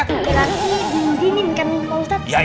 karena aku mau diizinin kan pak ustadz